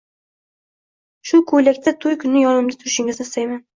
Shuko`ylakda to`y kuni yonimda turishingizni istayman